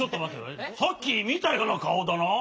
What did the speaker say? さっきみたようなかおだな。